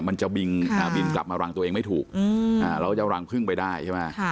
มันจะบินกลับมารังตัวเองไม่ถูกเราก็จะเอารังพึ่งไปได้ใช่ไหม